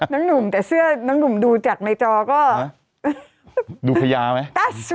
หนุ่มแต่เสื้อน้องหนุ่มดูจากในจอก็ดูพญาไหม